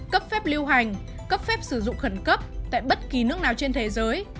cấp phép lưu hành cấp phép sử dụng khẩn cấp tại bất kỳ nước nào trên thế giới